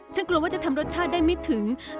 กลัวว่าจะทำรสชาติได้ไม่ถึง